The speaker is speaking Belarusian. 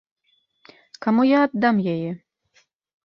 Каму я аддам яе?